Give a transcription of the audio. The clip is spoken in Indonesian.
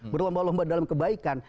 berubah lubah dalam kebaikan